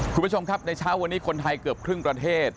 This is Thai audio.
คุณผู้ชมครับในเช้าวันนี้คนไทยเกือบครึ่งประเทศ